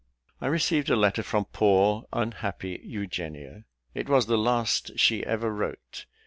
I received a letter from poor unhappy Eugenia it was the last she ever wrote.